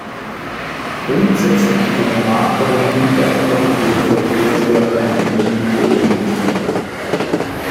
Grundsätzlich können Makler und Gutachter den Verkehrswert einer Immobilie ermitteln.